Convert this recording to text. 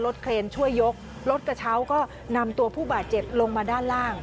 เครนช่วยยกรถกระเช้าก็นำตัวผู้บาดเจ็บลงมาด้านล่าง